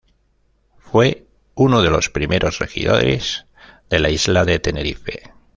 Fue uno de los primeros regidores de la isla de Tenerife.